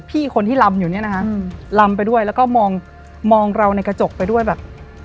พี่คนที่ลำอยู่เนี่ยนะคะลำไปด้วยแล้วก็มองมองเราในกระจกไปด้วยแบบ